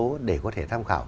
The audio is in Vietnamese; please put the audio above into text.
chúng tôi có thể tham khảo